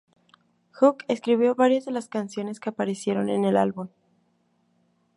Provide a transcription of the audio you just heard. Hugh escribió varias de las canciones que aparecieron en el álbum.